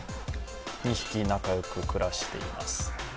２匹、仲よく暮らしています。